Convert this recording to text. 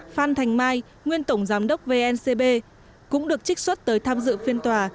phan thành mai nguyên tổng giám đốc vncb cũng được trích xuất tới tham dự phiên tòa